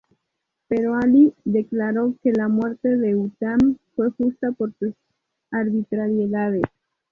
Pero Alí declaró que la muerte de Uthman fue justa por sus arbitrariedades.